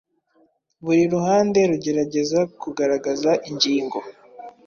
Buri ruhande rugerageza kugaragaza ingingo